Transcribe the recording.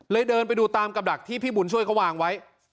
เดินไปดูตามกระดักที่พี่บุญช่วยเขาวางไว้